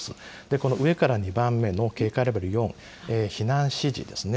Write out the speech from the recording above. この上から２番目の警戒レベル４、避難指示ですね。